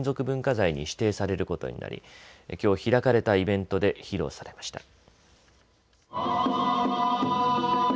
文化財に指定されることになりきょう開かれたイベントで披露されました。